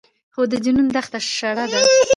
خو د جنون دښته شړه ده